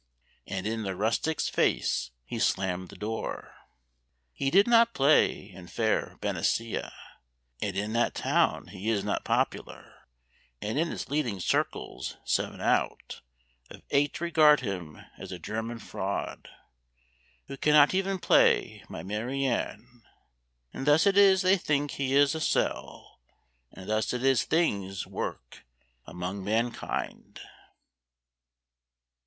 And in the rustic's face he slammed the door. He did not play in fair Benicia, And in that town he is not popular; And in its leading circles seven out Of eight regard him as a German fraud, Who cannot even play "My Mary Ann." And thus it is they think he is a sell, And thus it is things work among mankind.